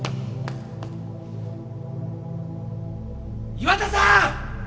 岩田さん！